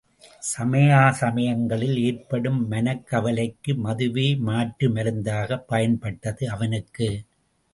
சமயா சமயங்களில் ஏற்படும் மனக்கவலைக்கு மதுவே மாற்று மருந்தாகப் பயன்பட்டது அவனுக்கு.